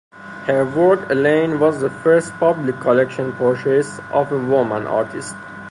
Her work, "Elaine", was the first public collection purchase of a woman artist.